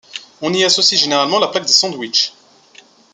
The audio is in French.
On y associe généralement la plaque des Sandwich.